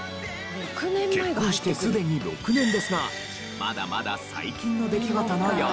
結婚してすでに６年ですがまだまだ最近の出来事のようです。